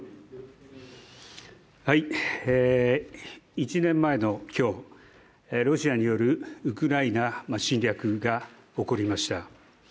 １年前の今日、ロシアによるウクライナ侵略が起こりました。